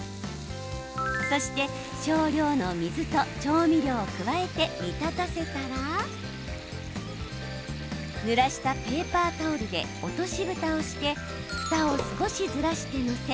そして少量の水と調味料を加えて煮立たせたらぬらしたペーパータオルで落としぶたをしてふたを少しずらして載せ